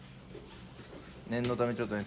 念のためちょっとね